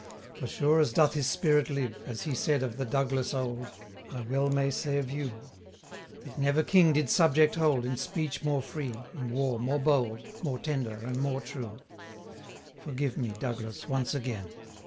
455 For sure as doth his spirit live, As he said of the Douglas old, I well may say of you, That never King did subject hold, In speech more free, in war more bold, 460 More tender and more true: Forgive me, Douglas, once again.'